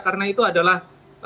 karena itu adalah